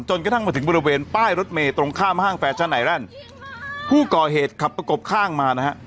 กระทั่งมาถึงบริเวณป้ายรถเมย์ตรงข้ามห้างแฟชั่นไอแลนด์ผู้ก่อเหตุขับประกบข้างมานะฮะ